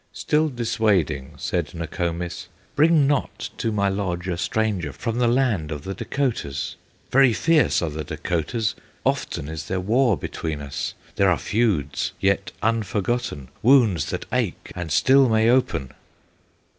Still dissuading said Nokomis: "Bring not to my lodge a stranger From the land of the Dacotahs! Very fierce are the Dacotahs, Often is there war between us, There are feuds yet unforgotten, Wounds that ache and still may open!"